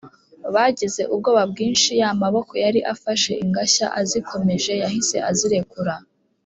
bagize ubwoba bwinshi ya maboko yari afashe ingashya azikomeje, yahise azirekura